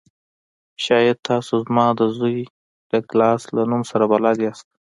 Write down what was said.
شاید تاسو زما د زوی ډګلاس له نوم سره بلد یاست